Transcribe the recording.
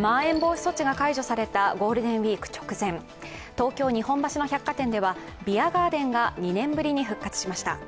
まん延防止措置が解除されたゴールデンウイーク直前、東京・日本橋の百貨店ではビアガーデンが２年ぶりに復活しました。